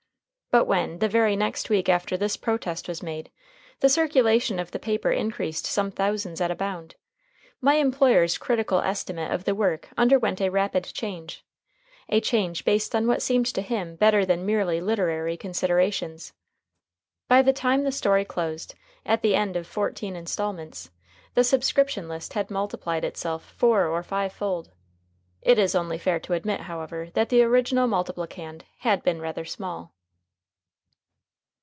But when, the very next week after this protest was made, the circulation of the paper increased some thousands at a bound, my employer's critical estimate of the work underwent a rapid change a change based on what seemed to him better than merely literary considerations. By the time the story closed, at the end of fourteen instalments, the subscription list had multiplied itself four or five fold. It is only fair to admit, however, that the original multiplicand had been rather small.